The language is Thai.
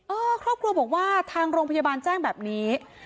ครอบครัวบอกว่าทางโรงพยาบาลแจ้งแบบนี้